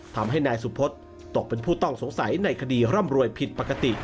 ทำให้นายสุพศตกเป็นผู้ต้องสงสัยในคดีร่ำรวยผิดปกติ